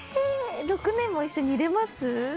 ６年も一緒にいれます？